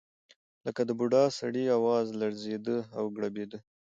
لکه د بوډا سړي اواز لړزېده او ګړبېده.